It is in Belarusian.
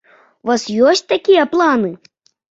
У вас ёсць такія планы?